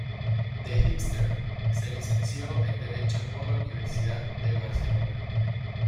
De Gispert se licenció en Derecho por la Universidad de Barcelona.